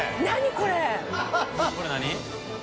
これ何？